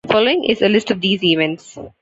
Following is a list of these events.